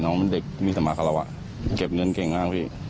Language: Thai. มันเป็นเด็กมีสมาคารวะเก็บเงินเก่งมากพี่